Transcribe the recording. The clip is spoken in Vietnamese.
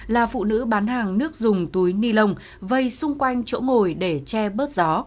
là phụ nữ bán hàng nước dùng túi ni lông vây xung quanh chỗ ngồi để che bớt gió